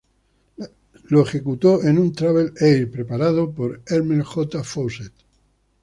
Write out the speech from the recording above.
Lo ejecutó en un "Travel Air" preparado por Elmer J. Faucett.